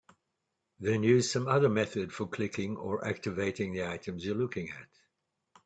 Then use some other method for clicking or "activating" the item you're looking at.